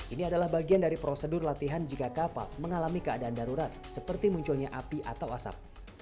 ini adalah bagian dari prosedur latihan jika kapal mengalami keadaan darurat seperti munculnya api atau asap